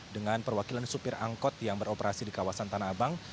dengan perwakilan supir angkot yang beroperasi di kawasan tanah abang